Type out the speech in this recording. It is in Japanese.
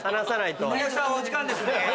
お客さんお時間ですね。